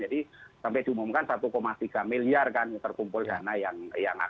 jadi sampai diumumkan satu tiga miliar kan yang terkumpul dana yang akibat pelanggar pelanggar itu